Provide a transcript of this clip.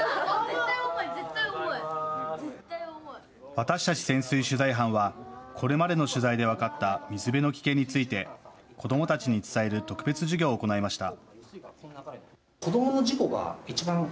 私たち潜水取材班はこれまでの取材で分かった水辺の危険について子どもたちに伝える特別授業を行いました。